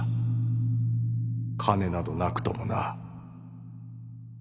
金などなくともな。